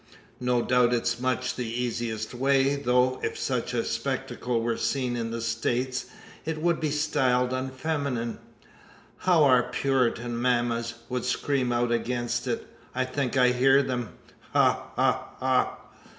No doubt it's much the easiest way; though if such a spectacle were seen in the States it would be styled unfeminine. How our Puritan mammas would scream out against it! I think I hear them. Ha, ha, ha!